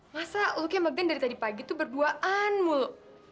masa lu kayak sama gideon dari tadi pagi itu berduaan mulu